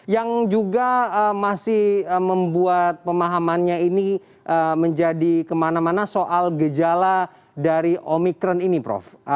yang juga masih membuat pemahamannya ini menjadi kemana mana soal gejala dari omikron ini prof